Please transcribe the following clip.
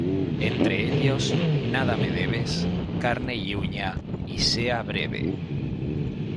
Entre ellos, "Nada me debes", "Carne y uña" y "Sea breve".